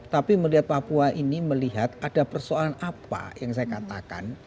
tapi melihat papua ini melihat ada persoalan apa yang saya katakan